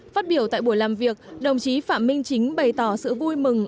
phát biểu tại buổi làm việc đồng chí phạm minh chính bày tỏ sự vui mừng